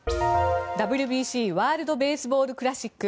ＷＢＣ＝ワールド・ベースボール・クラシック。